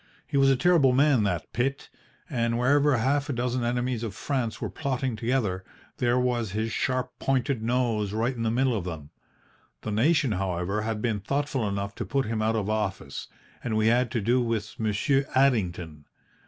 He was a terrible man that Pitt, and wherever half a dozen enemies of France were plotting together, there was his sharp pointed nose right in the middle of them. The nation, however, had been thoughtful enough to put him out of office, and we had to do with Monsieur Addington.